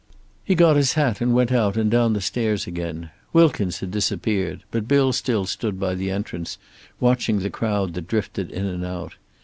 He got his hat and went out, and down the stairs again. Wilkins had disappeared, but Bill still stood by the entrance, watching the crowd that drifted in and out.